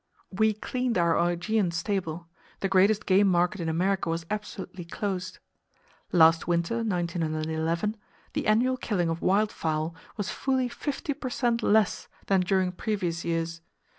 We cleaned our Augean stable. The greatest game market in America was absolutely closed. Last winter (1911) the annual killing of wild fowl was fully fifty per cent less than during previous years.